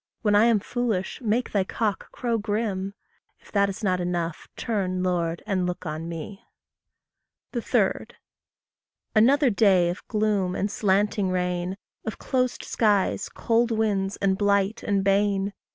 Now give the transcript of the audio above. When I am foolish, make thy cock crow grim; If that is not enough, turn, Lord, and look on me. 3. Another day of gloom and slanting rain! Of closed skies, cold winds, and blight and bane!